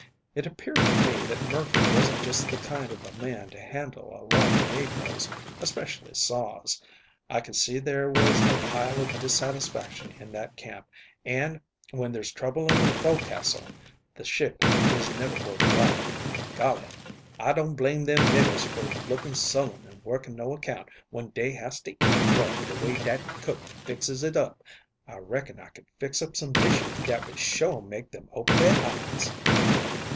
It appeared to me that Murphy wasn't just the kind of a man to handle a lot of negroes, especially Saws. I could see there was a pile of dissatisfaction in that camp, and, when there's trouble in the forecastle, the ship is never worked right." "Golly, I don't blame them niggers for looking sullen and working no account when dey has to eat grub de way dat cook fixes it up. I reckon I could fix up some dishes dat would sho' make them open their eyes."